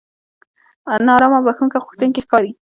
نا ارامه او بښنه غوښتونکي ښکاري.